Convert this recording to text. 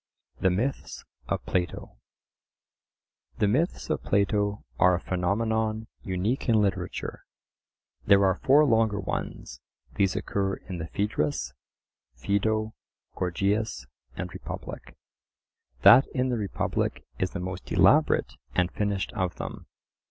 THE MYTHS OF PLATO. The myths of Plato are a phenomenon unique in literature. There are four longer ones: these occur in the Phaedrus, Phaedo, Gorgias, and Republic. That in the Republic is the most elaborate and finished of them.